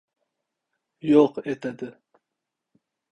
Yo‘q etadi…